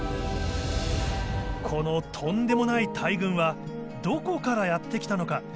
このとんでもない大群はどこからやって来たのか？